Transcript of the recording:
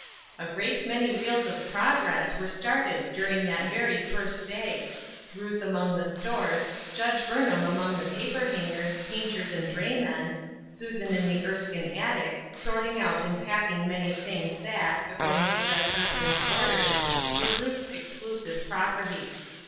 A great many wheels of prog ress were started duiing that very first day — Ruth among the stores, Judge Burnham among the paper hangers, painters and draj^men, Susan in the Erskine attic, sorting out and packing many things that, according to Judge Erskine 's orders, were Ruth's exclusive property.